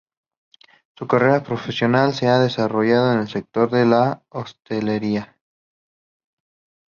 Su carrera profesional se ha desarrollado en el sector de la hostelería.